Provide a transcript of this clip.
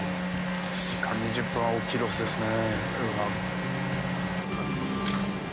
１時間２０分は大きいロスですね。